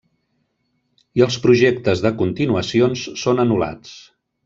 I els projectes de continuacions són anul·lats.